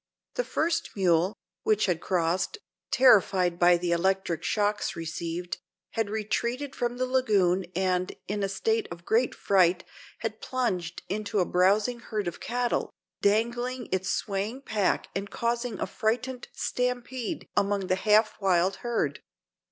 The first mule, which had crossed, terrified by the electric shocks received, had retreated from the lagoon and, in a state of great fright, had plunged into a browsing herd of cattle, dangling its swaying pack and causing a frightened stampede among the half wild herd.